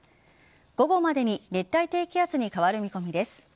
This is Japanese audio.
午後までに熱帯低気圧に変わる見込みです。